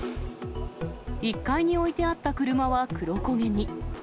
１階に置いてあった車は黒焦げに。